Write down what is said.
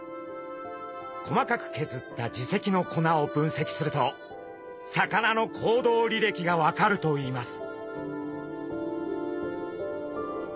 細かく削った耳石の粉を分析すると魚の行動りれきが分かるといいます。